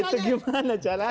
itu gimana caranya